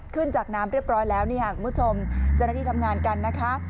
ขึ้นจากน้ำเรียบร้อยแล้วนี่ค่ะคุณผู้ชมเจ้าหน้าที่ทำงานกันนะคะ